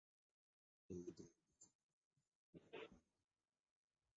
এই দলটি চালাতেন তারই এক বন্ধু।